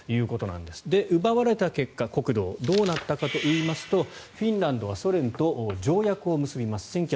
国土を奪われた結果どうなったかといいますとフィンランドはソ連と条約を結びます。